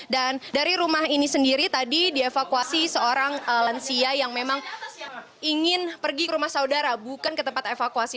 dan dari rumah ini sendiri tadi dievakuasi seorang lansia yang memang ingin pergi ke rumah saudara bukan ke tempat evakuasi